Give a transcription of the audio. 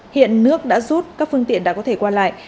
hiện nước đã rút các phương tiện đã có thể qua lại